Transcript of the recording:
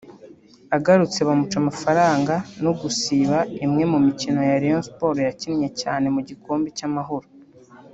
agarutse bamuca amafaranga no gusiba imwe mu mikino Rayon Sports yakinnye cyane mu gikombe cy'Amahoro